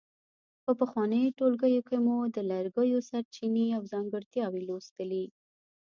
په پخوانیو ټولګیو کې مو د لرګیو سرچینې او ځانګړتیاوې لوستلې.